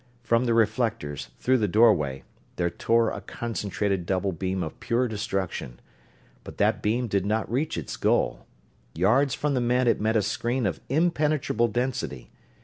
From the reflectors, through the doorway, there tore a concentrated double beam of pure destruction but that beam did not reach its goal. Yards from the men it met a screen of impenetrable density.